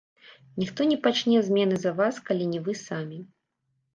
Ніхто не пачне змены за вас, калі не вы самі.